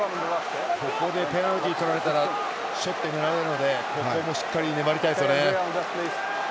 ここでペナルティーとられたらショットがあるのでしっかり粘りたいですよね。